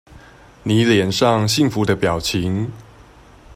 妳臉上幸福的表情